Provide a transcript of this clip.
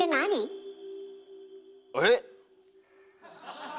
えっ？